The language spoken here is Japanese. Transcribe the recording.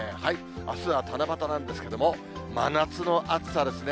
あすは七夕なんですけれども、真夏の暑さですね。